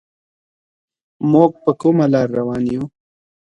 موږ په کومه لاره روان يو؟